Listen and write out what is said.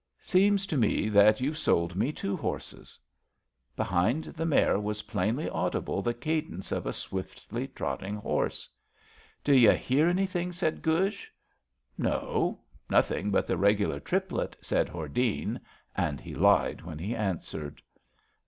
Seems to me that you've sold me two horses." Behind the mare was plainly audible the cadence of a swiftly trotting horse. D'you hear any " SLEIPNEB/' LATE *^THUKINDA '' 143 thing! '^ said Guj. No— nothing but the regular triplet/^ said Hordene; and he lied wh^i he answered.